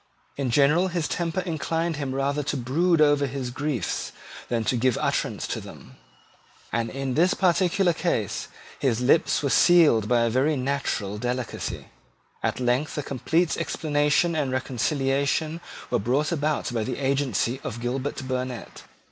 In general his temper inclined him rather to brood over his griefs than to give utterance to them; and in this particular case his lips were sealed by a very natural delicacy. At length a complete explanation and reconciliation were brought about by the agency of Gilbert Burnet.